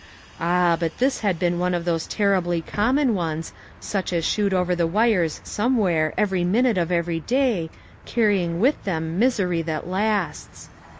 Ah, but this had been one of those terribly common ones, such as shoot over the wires somewhere every minute of every day, carrying with them misery that lasts.